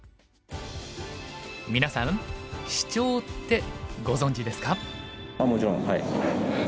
みなさん「シチョウ」ってご存じですか？